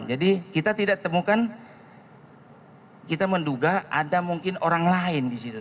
jadi kita tidak temukan kita menduga ada mungkin orang lain di situ